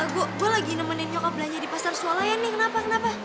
gue lagi nemenin nyokap belanja di pasar sulawesi kenapa